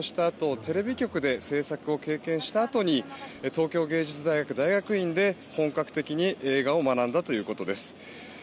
あとテレビ局で制作を経験したあとに東京芸術大学大学院で本格的に映画を学んだということです。